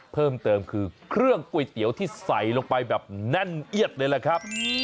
เพิ่มเติมคือเครื่องก๋วยเตี๋ยวที่ใส่ลงไปแบบแน่นเอียดเลยแหละครับ